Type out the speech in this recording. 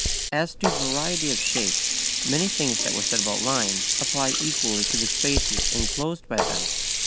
] As to variety of shape, many things that were said about lines apply equally to the spaces enclosed by them.